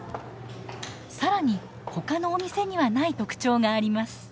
更にほかのお店にはない特徴があります。